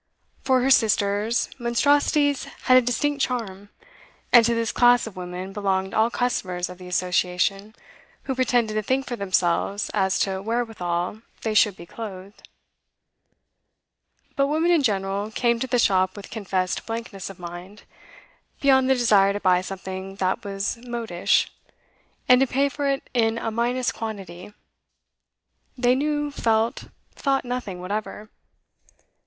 For her sisters, monstrosities had a distinct charm, and to this class of women belonged all customers of the Association who pretended to think for themselves as to wherewithal they should be clothed. But women in general came to the shop with confessed blankness of mind; beyond the desire to buy something that was modish, and to pay for it in a minus quantity, they knew, felt, thought nothing whatever.